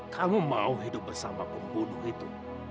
kamu mau hidup bersama pembunuh itu